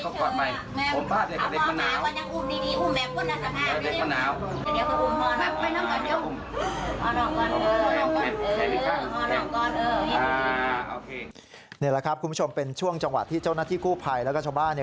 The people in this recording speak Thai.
นี่แหละครับคุณผู้ชมเป็นช่วงจังหวะที่เจ้าหน้าที่กู้ภัยแล้วก็ชาวบ้าน